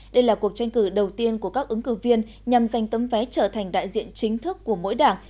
đây là cuộc tranh cử đầu tiên của các ứng cử viên nhằm giành tấm vé trở thành đại diện chính thức của mỗi đảng